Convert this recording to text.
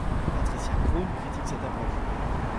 Patricia Crone critique cette approche.